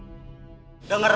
bapak bapak semuanya ya